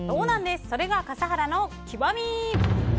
それが笠原の極み。